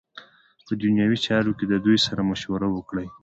په دنیوی چارو کی ددوی سره مشوره وکړی .